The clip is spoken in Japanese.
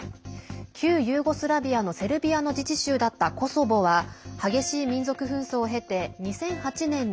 旧ユーゴスラビアのセルビアの自治州だったコソボは激しい民族紛争を経て２００８年に